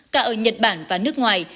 cả ở nhật bản và nước ngoài